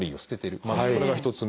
まずそれが１つ目。